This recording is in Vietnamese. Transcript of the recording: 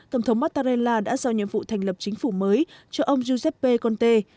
tổng thống mattarella đã giao nhiệm vụ thành lập chính phủ mới cho ông giuseppe conte